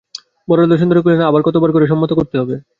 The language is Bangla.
বরদাসুন্দরী কহিলেন, আবার কতবার করে সম্মত করতে হবে?